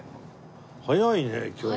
早いね今日は。